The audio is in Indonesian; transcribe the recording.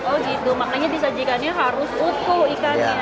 oh gitu makanya disajikan harus utuh ikannya